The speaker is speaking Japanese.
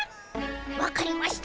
分かりました。